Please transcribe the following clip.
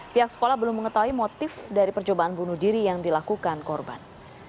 pihak sekolah belum mengetahui motif dari percobaan bunuh diri yang dilakukan korban